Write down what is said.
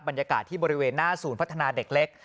บรรยากาศที่บริเวณหน้าศูนย์พัฒนาเด็กเล็ก